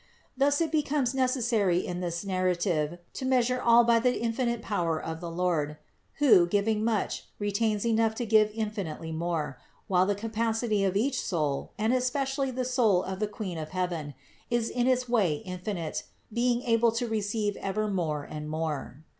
Thus it becomes necessary in this narrative to measure all by the infinite power of the Lord, who, giving* much, retains enough to give infinitely more, while the capacity of each soul, and especially the soul of the Queen of heaven, is in its way infinite, being able to receive ever more and more.